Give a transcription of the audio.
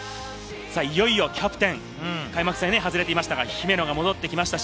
いよいよキャプテン、開幕戦外れていましたが、姫野が戻ってきました。